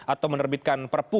atau menerbitkan perpu